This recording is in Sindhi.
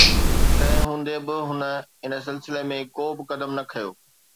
تنهن هوندي به هن ان سلسلي ۾ ڪو به قدم نه کنيو